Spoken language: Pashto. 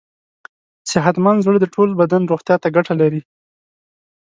صحتمند زړه د ټول بدن روغتیا ته ګټه لري.